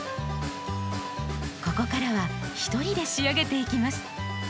ここからは一人で仕上げていきます。